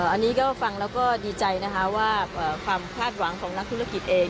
อันนี้ก็ฟังแล้วก็ดีใจนะคะว่าความคาดหวังของนักธุรกิจเอง